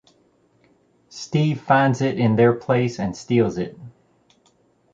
Steve finds it in their place and steals it.